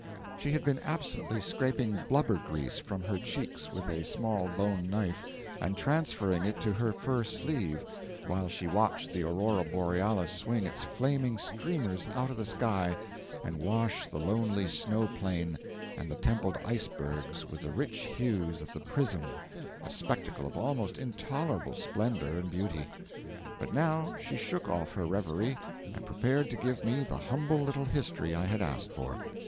She had been absently scraping blubber grease from her cheeks with a small bone knife and transferring it to her fur sleeve, while she watched the Aurora Borealis swing its flaming streamers out of the sky and wash the lonely snow plain and the templed icebergs with the rich hues of the prism, a spectacle of almost intolerable splendour and beauty; but now she shook off her reverie and prepared to give me the humble little history I had asked for.